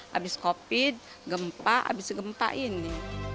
habis covid gempa habis gempa ini